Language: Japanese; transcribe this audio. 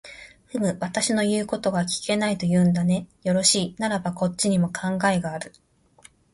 ふむ、私の言うことが聞けないと言うんだね。よろしい、ならばこっちにも考えがある。